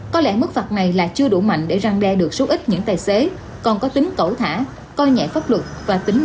có lẽ mức phạt này là chưa đủ mạnh để răng đe được số ít những tài xế còn có tính cẩu thả coi nhẹ pháp luật và tính